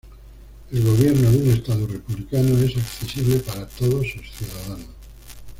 El gobierno de un Estado republicano es accesible para "todos" sus ciudadanos.